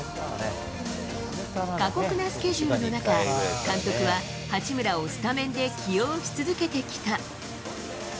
過酷なスケジュールの中、監督は、八村をスタメンで起用し続けてきた。